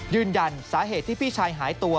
ยืนยันสาเหตุที่พี่ชายหายตัว